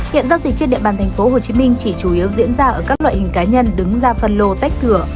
hiện giao dịch trên địa bàn tp hcm chỉ chủ yếu diễn ra ở các loại hình cá nhân đứng ra phân lô tách thừa